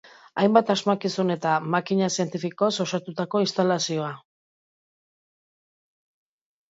Hainbat asmakizun eta makina zientifikoz osatutako instalazioa.